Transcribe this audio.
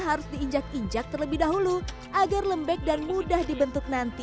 harus diinjak injak terlebih dahulu agar lembek dan mudah dibentuk nanti